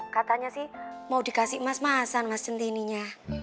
katanya sih mau dikasih emas emasan mas centininya